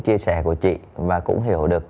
chia sẻ của chị và cũng hiểu được